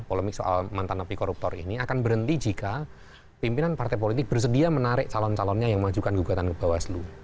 polemik soal mantan api koruptor ini akan berhenti jika pimpinan partai politik bersedia menarik calon calonnya yang memajukan kebuatan ke bawah selu